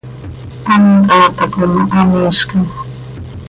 Hant haa taco ma, hamiizcam.